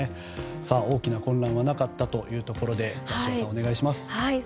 大きな混乱はなかったというところで鷲尾さん、お願いします。